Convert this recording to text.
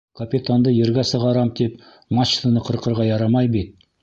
Капитанды ергә сығарам тип, мачтаны ҡырҡырға ярамай бит.